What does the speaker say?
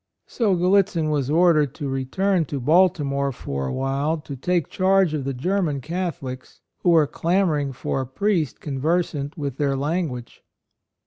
So Gallitzin was ordered to return to Balti more for a while to take charge of the German Catholics, who were clamoring for a priest con versant with their language.